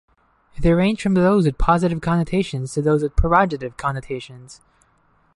They range from those with positive connotations to those with pejorative connotations.